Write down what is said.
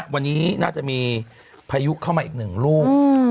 วันนี้น่าจะมีพายุเข้ามาอีกหนึ่งลูก